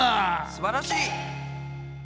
すばらしい！